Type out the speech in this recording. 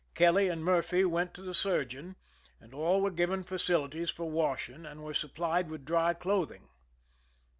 Kelly and Murphy went to the surgeon, and all were given facilities for washing and were supplied with dry clothing..